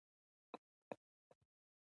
برېښنا دلته ډېره ارزانه ده.